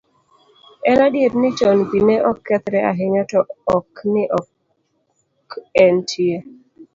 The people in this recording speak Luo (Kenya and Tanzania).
En adier ni chon pi ne ok kethre ahinya to ok ni ok entie.